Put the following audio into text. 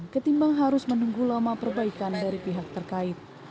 ketimbang harus menunggu lama perbaikan dari pihak terkait